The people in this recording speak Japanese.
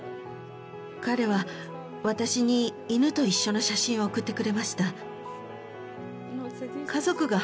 彼は私に犬と一緒の写真を送ってくれました。